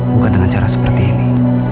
buka dengan cara seperti ini